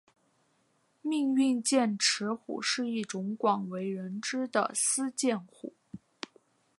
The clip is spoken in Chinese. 命运剑齿虎是一种广为人知的斯剑虎。